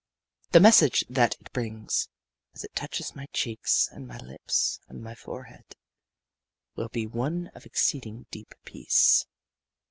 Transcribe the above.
The message that it brings, as it touches my cheeks and my lips and my forehead, will be one of exceeding deep peace.